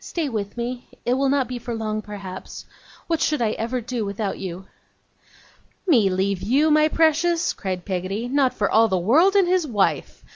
Stay with me. It will not be for long, perhaps. What should I ever do without you!' 'Me leave you, my precious!' cried Peggotty. 'Not for all the world and his wife.